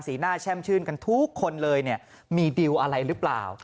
สีหน้าแช่มชื่นทุกคนเลยมีดีลอะไรหรือเปล่า